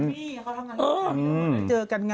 ไม่เขาทำอย่างออกก็มันหายไปเจอกันไง